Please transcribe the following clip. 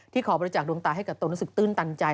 ขอบริจาคดวงตาให้กับตนรู้สึกตื้นตันใจ